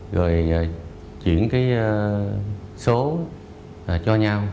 rồi chuyển cái số cho nhau